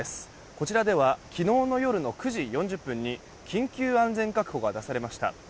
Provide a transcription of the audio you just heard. こちらでは昨日の夜の９時４０分に緊急安全確保が出されました。